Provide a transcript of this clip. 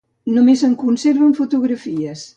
Només se'n conserven fotografies.